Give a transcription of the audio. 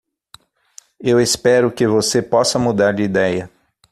Eu espero que você possa mudar de ideia.